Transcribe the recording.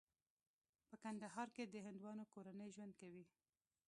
په کندهار کې د هندوانو کورنۍ ژوند کوي.